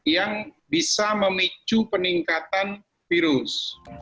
yang bisa memicu peningkatan virus